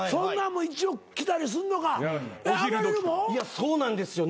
そうなんですよ。